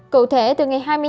cụ thể từ ngày hai mươi hai